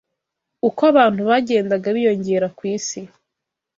UKO abantu bagendaga biyongera ku isi